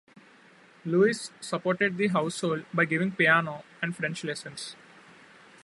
Luise supported the household by giving piano and French lessons.